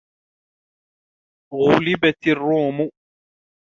غُلِبَتِ الرُّومُ